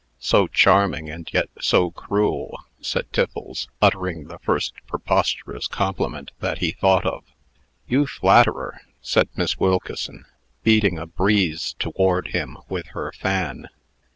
"So charming, and yet so cruel!" said Tiffles, uttering the first preposterous compliment that he thought of. "You flatterer!" said Miss Wilkeson, beating a breeze toward him with her fan.